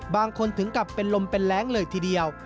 ถึงกลับเป็นลมเป็นแรงเลยทีเดียว